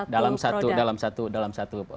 dalam satu dalam satu